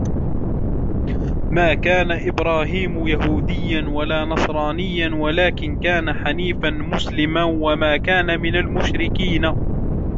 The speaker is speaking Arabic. ما كان إبراهيم يهوديا ولا نصرانيا ولكن كان حنيفا مسلما وما كان من المشركين